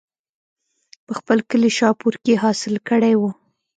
پۀ خپل کلي شاهپور کښې حاصل کړے وو